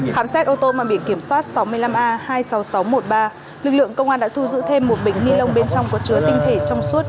khám xét ô tô mang biển kiểm soát sáu mươi năm a hai mươi sáu nghìn sáu trăm một mươi ba lực lượng công an đã thu giữ thêm một bịch ni lông bên trong có chứa tinh thể trong suốt